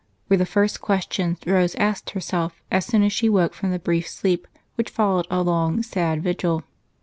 were the first questions Rose asked herself as soon as she woke from the brief sleep which followed a long, sad vigil.